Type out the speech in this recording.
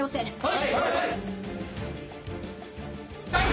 はい！